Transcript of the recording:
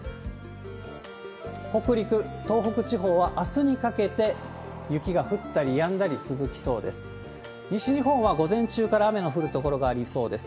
北陸、東北地方はあすにかけて雪が降ったりやんだり続きそうです。